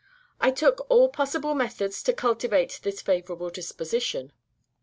I took all possible methods to cultivate this favorable disposition.